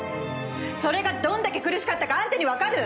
それがどんだけ苦しかったかあんたにわかる！？